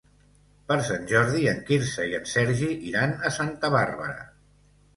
Per Sant Jordi en Quirze i en Sergi iran a Santa Bàrbara.